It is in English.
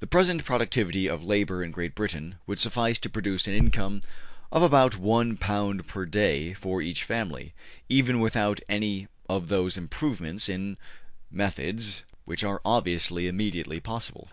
The present productivity of labor in Great Britain would suffice to produce an income of about 1 pound per day for each family, even without any of those improvements in methods which are obviously immediately possible.